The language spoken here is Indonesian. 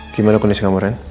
gimana kondisi kamu ren